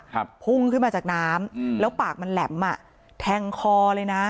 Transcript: พุ่งขึ้นมาจากน้ำอืมแล้วปากมันแหลมอ่ะแทงคอเลยนะ